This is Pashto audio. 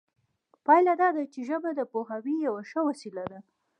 پایله دا ده چې ژبه د پوهاوي یوه ښه وسیله ده